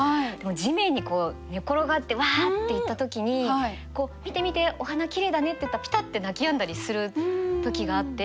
地面にこう寝転がってわあって言った時に「見て見てお花きれいだね」って言ったらピタッて泣きやんだりする時があって。